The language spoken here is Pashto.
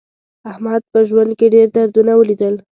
احمد په ژوند کې ډېر دردونه ولیدل.